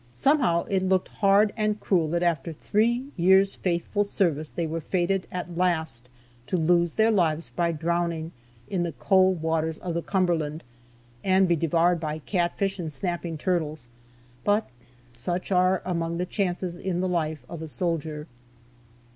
Somehow it looked hard and cruel that after over three years' faithful service they were fated at last to lose their lives by drowning in the cold waters of the Cumberland, and be devoured by catfish and snapping turtles, but such are among the chances in the life of a soldier.